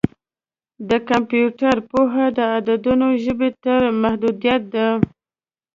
د کمپیوټر پوهه د عددونو ژبې ته محدوده ده.